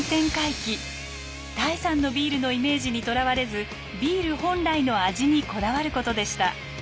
第三のビールのイメージにとらわれずビール本来の味にこだわることでした。